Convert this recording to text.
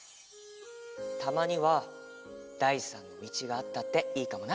たまにはだい３のみちがあったっていいかもな。